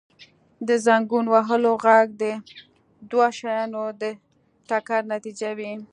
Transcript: • د زنګون وهلو ږغ د دوو شیانو د ټکر نتیجه وي.